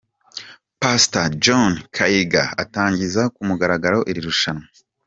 Pastor John Kaiga atangiza kumugaragaro iri rushanwa.